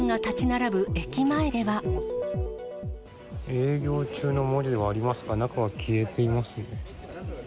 営業中の文字はありますが、中は消えています。